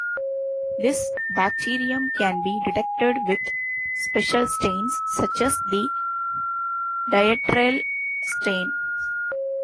This bacterium can be detected with special stains, such as the Dieterle stain.